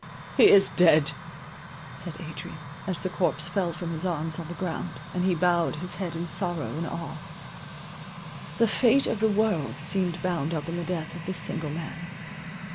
— "He is dead!" said Adrian, as the corpse fell from his arms on the ground, and he bowed his head in sorrow and awe. The fate of the world seemed bound up in the death of this single man.